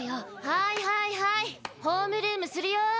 はいはいはいホームルームするよー。